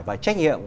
và trách nhiệm